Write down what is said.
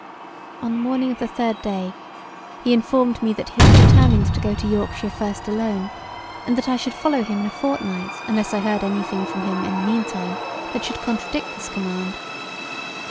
On the morning of the third day he informed me that he had determined to go to Yorkshire first alone, and that I should follow him in a fortnight unless I heard any thing from him in the mean time that should contradict this command.